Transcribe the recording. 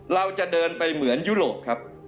เราจะเดินไปเหมือนยุโรปครับ